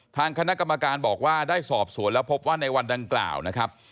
ทางคณะกรรมการบอกว่าได้สอบสวนแล้วพบว่าในวันดังกล่าวนะครับ